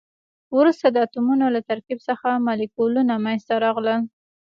وروسته د اتمونو له ترکیب څخه مالیکولونه منځ ته راغلل.